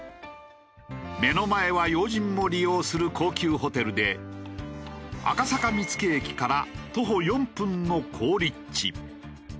目の前は要人も利用する高級ホテルで赤坂見附駅から徒歩４分の好立地。